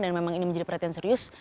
dan memang ini menjadi perhatian serius